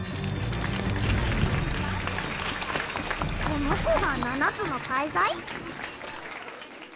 この子が七つの大罪？